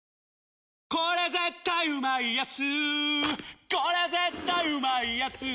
「日清これ絶対うまいやつ」